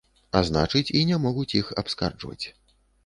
А значыць і не могуць іх абскарджваць.